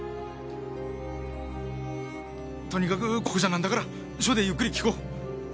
とにかくここじゃなんだから署でゆっくり聞こう。